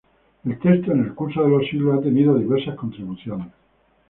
El texto, en el curso de los siglos, ha tenido diversas contribuciones.